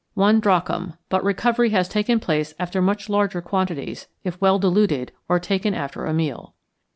_ One drachm, but recovery has taken place after much larger quantities, if well diluted or taken after a meal.